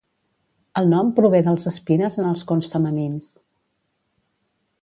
El nom prové dels espines en els cons femenins.